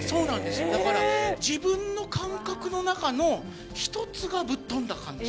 だから自分の感覚の中の１つがぶっ飛んだ感じ。